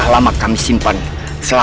sampai jumpa lagi